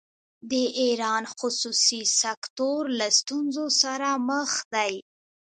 د ایران خصوصي سکتور له ستونزو سره مخ دی.